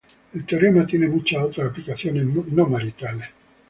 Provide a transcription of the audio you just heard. El teorema tiene muchas otras aplicaciones "no maritales".